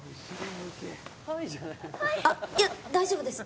あっいや大丈夫です